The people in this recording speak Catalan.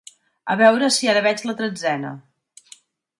A veure si ara veig la tretzena.